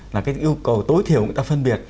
là cái yêu cầu tối thiểu người ta phân biệt